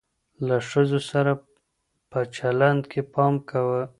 له ښځو سره په چلند کي پام کوه.